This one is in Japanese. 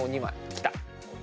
きた！